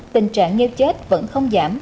tình trạng nghêu chết vẫn không giảm